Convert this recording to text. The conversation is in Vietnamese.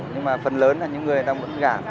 nhưng mà phần lớn là những người đang ngưỡng ngã